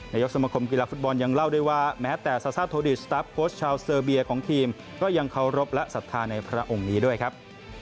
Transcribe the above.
นายกสมคมกีฬาฟุตบอลยังเล่าด้วยว่าแม้แต่ซาซ่าโทดิสตาร์ฟโค้ชชาวเซอร์เบียของทีมก็ยังเคารพและศรัทธาในพระองค์นี้ด้วยครับ